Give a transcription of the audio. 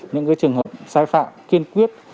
những cái trường hợp sai phạm kiên quyết